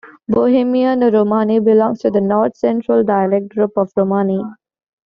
Bohemian Romani belongs to the North Central dialect group of Romani.